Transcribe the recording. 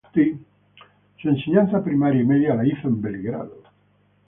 Su enseñanza primaria y media la hizo en Belgrado.